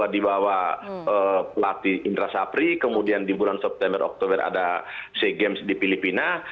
di bawah pelatih indra sapri kemudian di bulan september oktober ada sea games di filipina